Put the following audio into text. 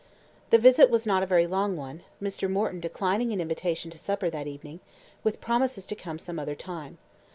The visit was not a very long one, Mr. Morton declining an invitation to supper that evening, with promises to come some other time.